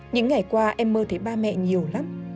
những ngày qua em mơ thấy ba mẹ nhiều lắm